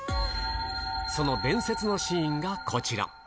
その伝説のシーンがこちら。